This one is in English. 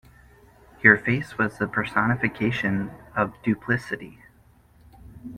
Your face was the personification of duplicity.